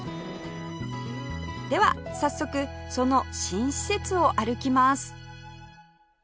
では早速その新施設を歩きます